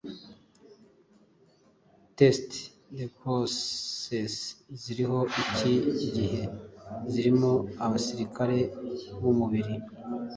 teste de grossesse ziriho iki gihe zirimo abasirikare b’umubiri